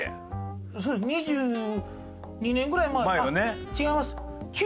２２年ぐらい前あっ違います。